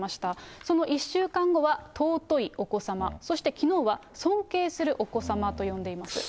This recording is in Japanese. その１週間後は尊いお子様、そしてきのうは、尊敬するお子様と呼